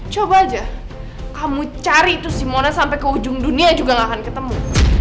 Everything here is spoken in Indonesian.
coba aja kamu cari itu sih mona sampai ke ujung dunia juga nggak akan ketemu